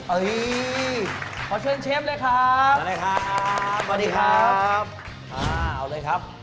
เฮ้ยขอเชิญเชฟเลยครับมาเลยครับสวัสดีครับค่ะเอาเลยครับ